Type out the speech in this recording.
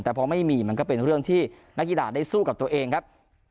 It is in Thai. แต่พอไม่มีมันก็เป็นเรื่องที่นักกีฬาได้สู้กับตัวเองครับ